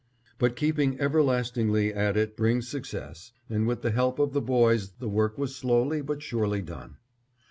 But keeping everlastingly at it brings success, and with the help of the boys the work was slowly but surely done.